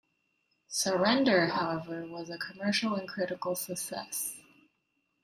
"Surrender", however, was a commercial and critical success.